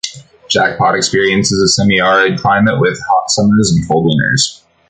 Jackpot experiences a semi-arid climate with hot summers and cold winters.